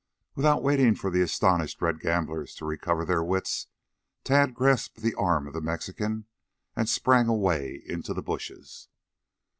Without waiting for the astonished red gamblers to recover their wits, Tad grasped an arm of the Mexican and sprang away into the bushes.